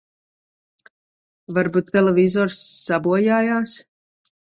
Varbūt televizors sabojājās.